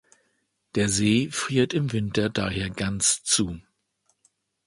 Der See friert im Winter daher ganz zu.